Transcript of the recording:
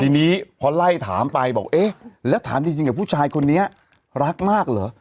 ทีนี้พอไล่ถามไปบอกเอ๊ะแล้วถามจริงกับผู้ชายคนนี้รักมากเหรอ